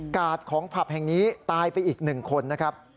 กาดของผับแห่งนี้ตายไปอีก๑คนนะครับ